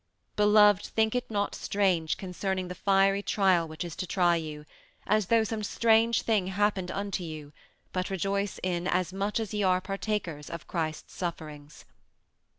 "Beloved think it not strange concerning the fiery trial which is to try you, as though some strange thing happened unto you, but rejoice in as much as ye are partakers of Christ's sufferings."